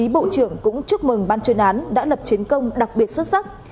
bộ trưởng cũng chúc mừng ban chuyên án đã lập chiến công đặc biệt xuất sắc